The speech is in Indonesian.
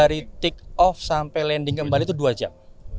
dari take off sampai landing kembali itu dua jam